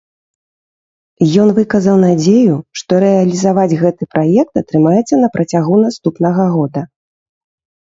Ён выказаў надзею, што рэалізаваць гэты праект атрымаецца на працягу наступнага года.